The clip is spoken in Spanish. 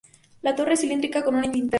Una torre cilíndrica con una linterna.